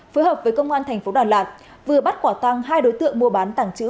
phối hợp với công an thành phố đà lạt vừa bắt quả tăng hai đối tượng mua bán tàng trữ